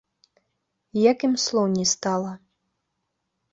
Як ім слоў не стала.